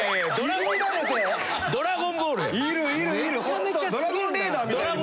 ホントドラゴンレーダーみたいに。